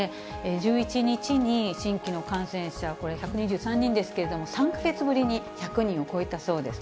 １１日に新規の感染者、これ１２３人ですけれども、３か月ぶりに１００人を超えたそうです。